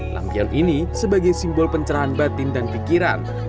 lampion ini sebagai simbol pencerahan batin dan pikiran